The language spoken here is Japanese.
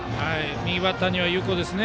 右バッターには有効です。